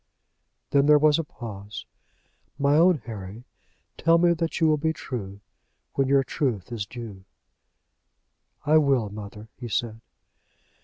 Then there was a pause. "My own Harry, tell me that you will be true where your truth is due." "I will, mother," he said.